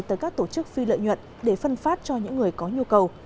tới các tổ chức phi lợi nhuận để phân phát cho những người có nhu cầu